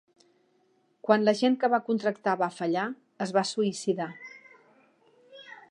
Quan l'agent que va contractar va fallar, es va suïcidar.